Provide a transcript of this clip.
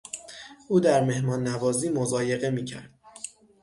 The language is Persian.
او در مهمان نوازی مضایقه میکرد.